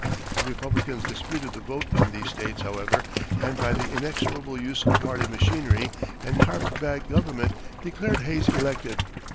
The Republicans disputed the vote in these states, however, and by the inexorable use of party machinery and carpet bag government, declared Hayes elected.